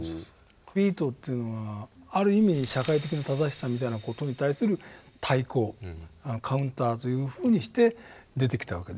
「ビート」というのはある意味社会的な「正しさ」みたいな事に対する対抗・カウンターというふうにして出てきたわけで。